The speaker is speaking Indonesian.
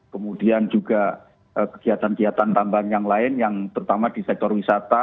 kemudian juga kegiatan kegiatan tambahan yang lain yang terutama di sektor wisata